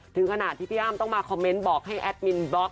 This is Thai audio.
ถึงขนาดที่พี่อ้ำต้องมาคอมเมนต์บอกให้แอดมินบล็อก